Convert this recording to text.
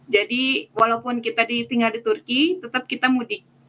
jadi walaupun kita tinggal di turki tetap kita mudik